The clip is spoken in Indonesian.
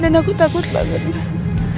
dan aku takut banget mas